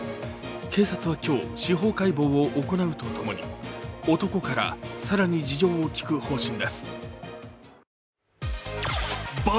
警察は今日、司法解剖を行うとともに男から更に事情を聞く方針です。